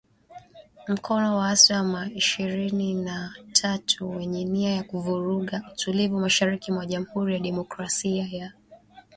mkono waasi wa M ishirini na tatu wenye nia ya kuvuruga utulivu mashariki mwa Jamuhuri ya Demokrasia ya Kongo